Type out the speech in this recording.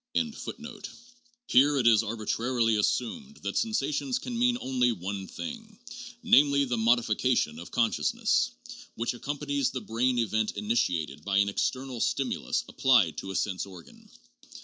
PSYCHOLOGY AND SCIENTIFIC METHODS 457 Here it is arbitrarily assumed that sensation can mean only one thing, namely, the 'modification of consciousness' which accompanies the brain event initiated by an external stimulus applied to a sense organ.